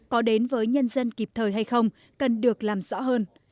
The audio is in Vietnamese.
có đến với nhân dân kịp thời hay không cần được làm rõ hơn